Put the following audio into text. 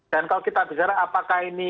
dan kalau kita bicara apakah ini